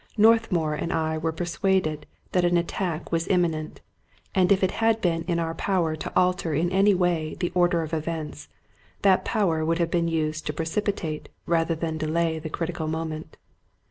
Northmour and I were persuaded that an at tack was imminent ; and if it had been in our power to alter in any way the order of events, that power would have been used to precipitate rather than delay the critical moment.